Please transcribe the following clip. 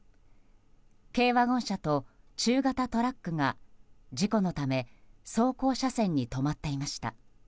軽ワゴン車と中型トラックが事故のため走行車線に止まっていました。